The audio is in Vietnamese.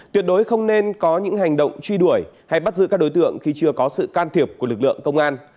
tuyệt đối không nên có những hành động truy đuổi hay bắt giữ các đối tượng khi chưa có sự can thiệp của lực lượng công an